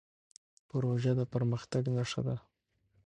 پروژه د پرمختګ نښه ده.